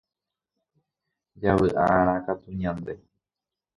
javy'a'arã katu ñande